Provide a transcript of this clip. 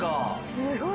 すごい。